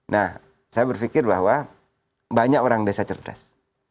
nah saya berpikir bahwa banyak orang desa cerdas